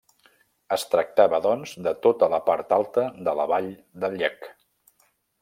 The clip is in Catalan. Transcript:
Es tractava, doncs, de tota la part alta de la vall de Llec.